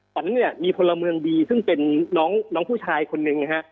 ฝันเนี่ยมีพลเมืองดีซึ่งเป็นน้องผู้ชายคนหนึ่งนะฮะ